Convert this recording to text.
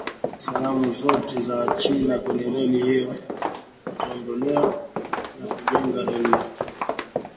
sanamu zote za wachina kwenye reli hiyo zitaondolewa na tujenge reli yetu